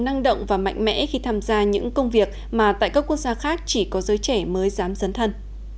năng động và mạnh mẽ khi tham gia những công việc mà tại các quốc gia khác chỉ có giới trẻ mới dám dấn thân